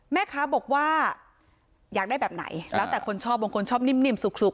แม่ค้าบอกว่าอยากได้แบบไหนแล้วแต่คนชอบบางคนชอบนิ่มสุก